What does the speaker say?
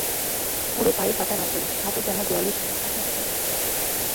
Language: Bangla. পুরো পায়ের পাতা রাখবেন, হাঁটু যেন গোড়ালির সঙ্গে একই রেখায় থাকে।